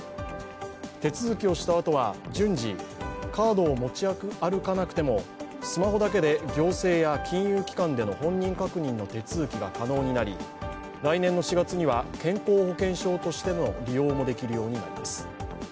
手続きをしたあとは順次、カードを持ち歩かなくてもスマホだけで行政や金融機関での本人確認の手続きが可能になり来年４月には健康保険証としての利用もできるようになります。